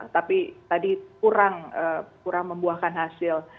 tapi tadi kurang membuahkan hasil